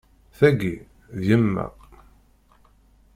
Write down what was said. Tagi, d yemma.